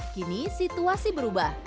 kini situasi berubah